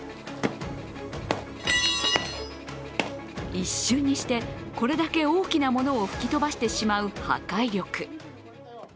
一瞬にしてこれだけ大きなものを吹き飛ばしてしまう破壊力。